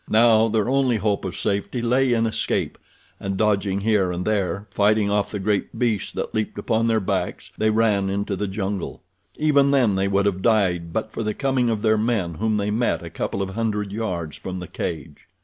Now their only hope of safety lay in escape, and dodging here and there, fighting off the great beasts that leaped upon their backs, they ran into the jungle. Even then they would have died but for the coming of their men whom they met a couple of hundred yards from the cage.